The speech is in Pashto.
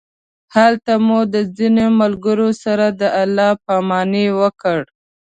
هلته مو د ځینو ملګرو سره د الله پامانۍ وکړ.